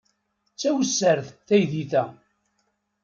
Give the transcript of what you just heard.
D tawessart teydit-a.